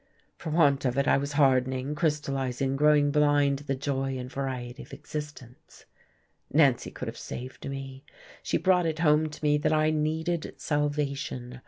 For want of it I was hardening, crystallizing, growing blind to the joy and variety of existence. Nancy could have saved me; she brought it home to me that I needed salvation....